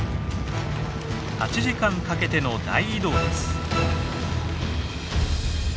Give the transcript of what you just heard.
８時間かけての大移動です。